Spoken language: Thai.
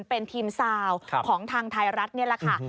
เป็นทีมซาวของทางไทยรัฐนี่แหละค่ะ